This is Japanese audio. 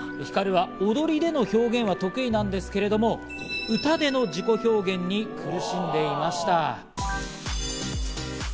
ＨＩＫＡＲＵは踊りでの表現は得意なんですけれども、歌での自己表現に苦しんでいました。